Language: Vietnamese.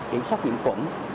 kiểm soát những khuẩn